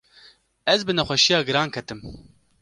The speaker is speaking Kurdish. ez bi nexweşîya giran ketim.